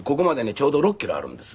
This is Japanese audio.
ちょうど６キロあるんです。